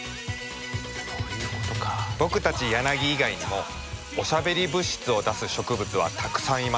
僕たちヤナギ以外にもおしゃべり物質を出す植物はたくさんいます。